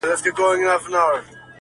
نو به په هغه ورځ کيسه د بېوفا واخلمه_